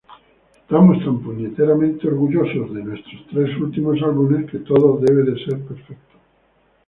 Estamos tan maldito orgulloso de nuestros tres últimos álbumes que todo debe ser perfecto".